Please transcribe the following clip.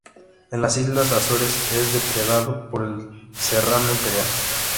En las islas Azores es depredado por el serrano imperial.